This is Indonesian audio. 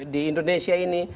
di indonesia ini